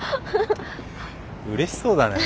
うれしそうだね。